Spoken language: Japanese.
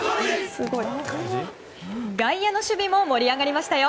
外野の守備も盛り上がりましたよ。